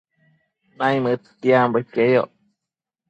Naimëdtiambo iqueyoc